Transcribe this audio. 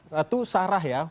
ratu sarah ya